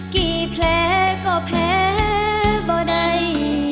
แผลก็แพ้บ่ได้